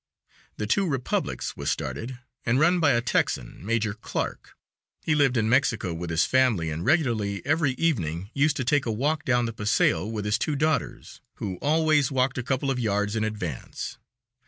The Two Republics was started and run by a Texan, Major Clarke. He lived in Mexico with his family and regularly every evening used to take a walk down the paseo with his two daughters, who always walked a couple of yards in advance.